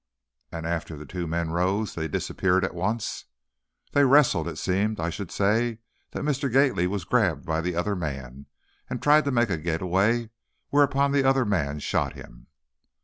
"And after the two men rose, they disappeared at once?" "They wrestled; it seemed, I should say, that Mr. Gately was grabbed by the other man, and tried to make a getaway, whereupon the other man shot him."